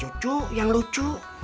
sama cucu yang lucu